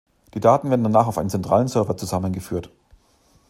Die Daten werden danach auf einem zentralen Server zusammengeführt.